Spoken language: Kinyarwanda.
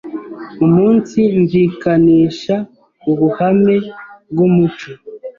umunsimvikanisha ubuhame bw’umuco